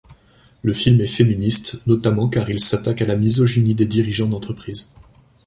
Le film est féministe, notamment car il s'attaque à la misogynie des dirigeants d'entreprise.